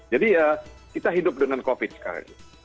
jadi kita hidup dengan covid sembilan belas sekarang